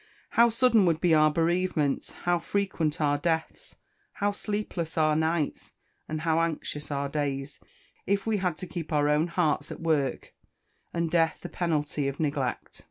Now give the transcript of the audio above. How sudden would be our bereavements how frequent our deaths, how sleepless our nights, and how anxious our days, if we had to keep our own hearts at work, and death the penalty of neglect.